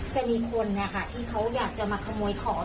จะมีคนที่เขาอยากจะมาขโมยของ